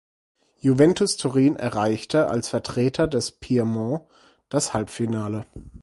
Juventus Turin erreichte als Vertreter des Piemont das Halbfinale.